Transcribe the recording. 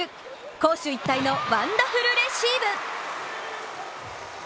攻守一体のワンダフルレシーブ！